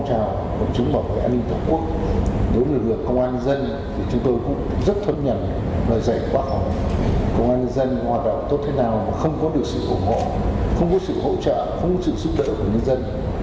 công an dân hoạt động tốt thế nào không có được sự ủng hộ không có sự hỗ trợ không có sự giúp đỡ của nhân dân